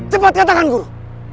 cepat katakan guru